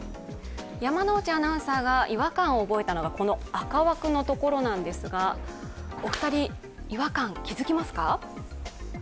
山内アナウンサーが違和感を覚えたのがこの赤枠のところなんですがお二人、違和感気づきますか？